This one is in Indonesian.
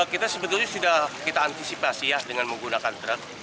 kita sebetulnya sudah kita antisipasi ya dengan menggunakan truk